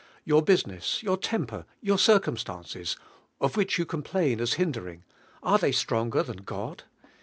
Your busi ness, your temper, your circumstances, of which you complain as hindering, are they stronger than God?